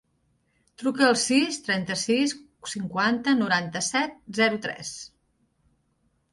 Truca al sis, trenta-sis, cinquanta, noranta-set, zero, tres.